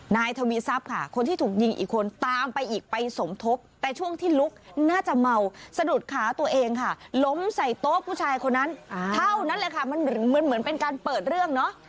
นายทวีทรัพย์ค่ะคนที่ถูกยิงอีกคนตามไปอีกไปสมทบแต่ช่วงที่ลุกน่าจะเมาสะดุดขาตัวเองค่ะล้มใส่โต๊ะผู้ชายคนนั้นเท่านั้นแหละค่ะมันเหมือนเป็นการเปิดเรื่องเนาะ